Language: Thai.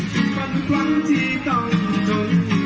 ทุกวันทุกครั้งที่ต้องจน